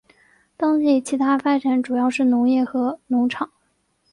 当地其它发展主要是农业和农场。